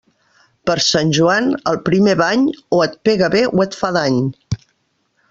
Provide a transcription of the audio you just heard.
Per Sant Joan, el primer bany, o et pega bé o et fa dany.